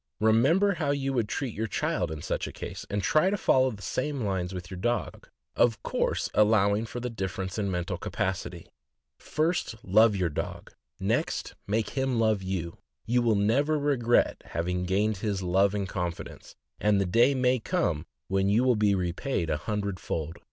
Remember how you would treat your child in such a case, and try to follow the same lines with your dog, of course allowing for the difference in mental capacity. First love your dog, 586 THE AMERICAN BOOK OF THE DOG. next make him love you; yon will never regret having gained his love and confidence, and the day may come when you will be repaid an hundred fold.